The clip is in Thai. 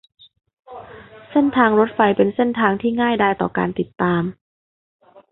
เส้นทางรถไฟเป็นเส้นทางที่ง่ายดายต่อการติดตาม